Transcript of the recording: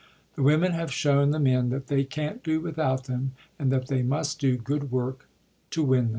The women have shown the men that they can't do without them, and that they must do good work to win them.